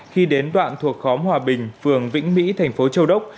khi đến đoạn thuộc khóm hòa bình phường vĩnh mỹ thành phố châu đốc